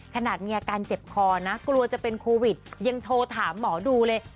ขนาดมีอาการเจ็บคอนะกลัวจะเป็นโควิดยังโทรถามหมอดูเลย